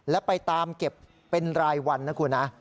และไปตามเก็บเป็นรายวันนะคุณนะ